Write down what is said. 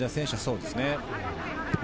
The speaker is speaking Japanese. そうですね。